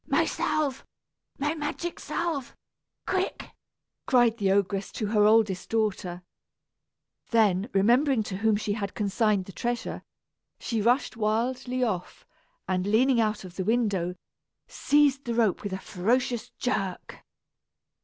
"My salve, my magic salve, quick!" cried the ogress to her oldest daughter. Then, remembering to whom she had consigned the treasure, she rushed wildly off and, leaning out of the window, seized the rope with a ferocious jerk.